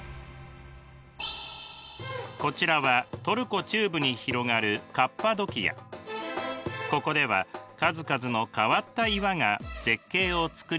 こちらはトルコ中部に広がるここでは数々の変わった岩が絶景をつくりだしています。